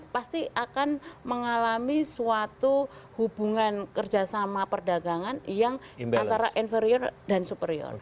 pasti akan mengalami suatu hubungan kerjasama perdagangan yang antara inferior dan superior